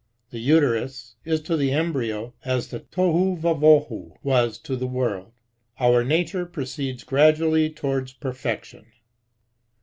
The uterus is to the embryo as the tohu wabohu was to the world. Our nature proceeds gradually towards perfection.